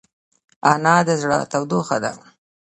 انا د زړه تودوخه ده